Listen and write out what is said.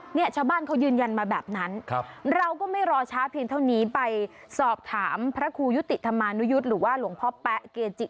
เนี่ยชาวบ้านเขายืนยันมาแบบนั้นครับเราก็ไม่รอช้าเพียงเท่านี้ไปสอบถามพระครูยุติธรรมานุยุทธ์หรือว่าหลวงพ่อแป๊ะเกจิ